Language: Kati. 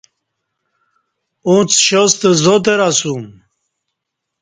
اُݩڅ شاستہ زاتر اسوم